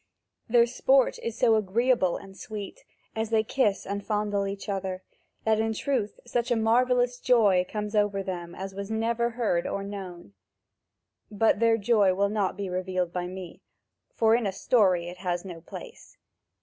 Their sport is so agreeable and sweet, as they kiss and fondle each other, that in truth such a marvellous joy comes over them as was never heard or known. But their joy will not be revealed by me, for in a story, it has no place.